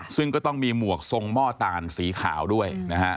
ซึ่งก็ต้องมีหมวกทรงหม้อตาลสีขาวด้วยนะฮะ